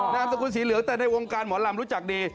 นามสกุลสีเหลืองแต่ในวงการหมอลำรู้จักดี